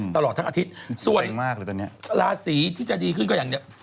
ตลอดทั้งอาทิตย์ส่วนราศีที่จะดีขึ้นก็อย่างนี้